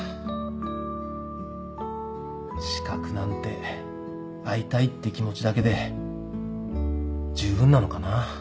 資格なんて会いたいって気持ちだけで十分なのかな。